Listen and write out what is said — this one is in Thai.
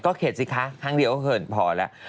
เข็ดสิคะครั้งเดียวก็เขินพอแล้ว